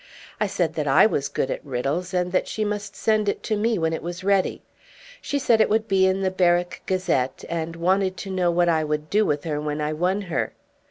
I said that I was good at riddles, and that she must send it to me when it was ready. She said it would be in the Berwick Gazette, and wanted to know what I would do with her when I won her.